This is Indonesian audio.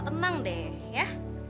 tenang deh ya